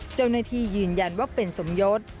เจ้าหน้าที่ยืนยันว่าเป็นสมยศ